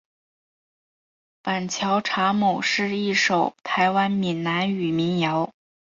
板桥查某是一首台湾闽南语民谣。